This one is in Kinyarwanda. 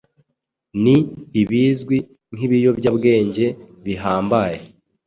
ni ibizwi nk’ibiyobyabwenge bihambaye